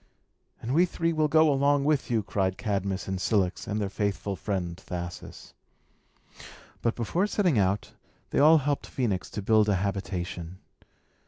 "And we three will go along with you!" cried Cadmus and Cilix, and their faithful friend Thasus. But, before setting out, they all helped Phœnix to build a habitation.